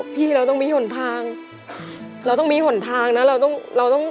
พี่เราต้องมีห่วนทางเราต้องมีห่วนทางนะ